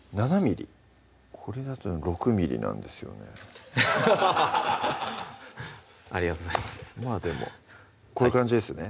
これだと６ｍｍなんですよねありがとうございますまぁでもこういう感じですよね